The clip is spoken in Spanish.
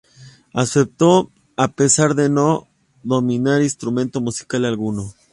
Aceptó a pesar de no dominar instrumento musical alguno.